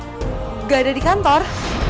enggak ada di kantor